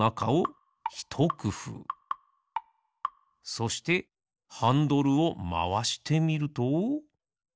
そしてハンドルをまわしてみると。